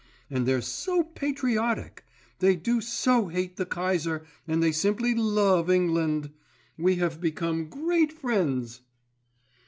And they're so patriotic. They do so hate the Kaiser, and they simply love England. We have become great friends."